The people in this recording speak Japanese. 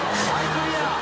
クリア。